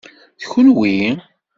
D kunwi?